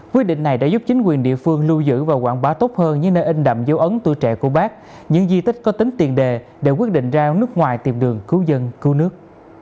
quyết định này đã giúp chính quyền địa phương lưu giữ và quảng bá tốt hơn những nơi in đậm dấu ấn tuổi trẻ của bác những di tích có tính tiền đề để quyết định ra nước ngoài tìm đường cứu dân cứu nước